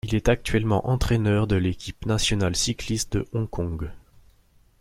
Il est actuellement entraîneur de l’équipe Nationale Cycliste de Hong Kong.